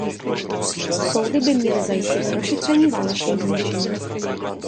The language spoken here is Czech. Soudy by měly zajistit prošetření válečných zločinů.